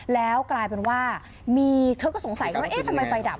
แล้วกลายเป็นว่ามีเธอก็สงสัยว่าเอ๊ะทำไมไฟดับ